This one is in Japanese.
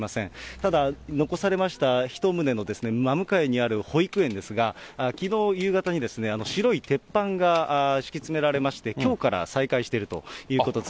ただ、残されました１棟の真向かいにある保育園ですが、きのう夕方に白い鉄板が敷き詰められまして、きょうから再開しているということです。